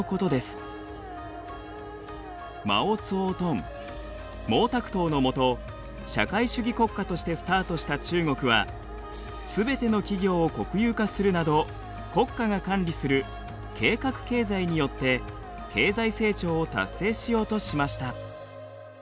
マオツォトン毛沢東の下社会主義国家としてスタートした中国はすべての企業を国有化するなど国家が管理する計画経済によって経済成長を達成しようとしました。